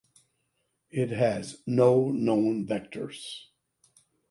It has no known vectors.